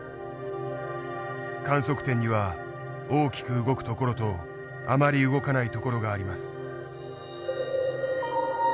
観測点には大きく動く所とあまり動かない所があります。